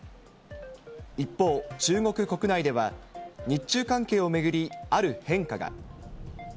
一方、中国国内では、日中関係を巡りある変化が。